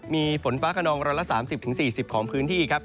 มีฝนฟ้าขนอง๑๓๐๔๐ของพื้นที่ครับ